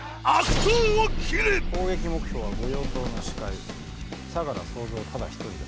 攻撃目標は御用盗の首魁相楽総三ただ一人だ。